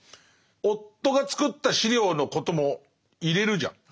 夫が作った資料のことも入れるじゃん。